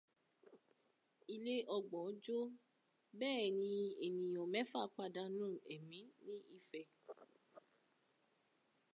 Ilé ọgbọ̀n jó bẹ́ẹ̀ ni ènìyàn mẹ́fà pàdánù ẹmí ní Ifẹ̀.